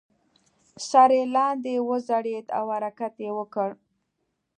سر یې لاندې وځړید او حرکت یې وکړ.